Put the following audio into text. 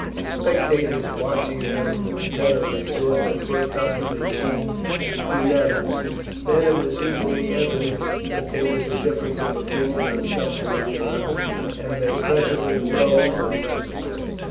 The spectators, watching them attentively, saw that for a time they seemed unanimous, then it was equally evident that there was a difference of opinion on some point or other, and they presently rose and left the court.